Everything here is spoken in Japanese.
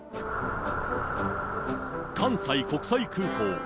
関西国際空港。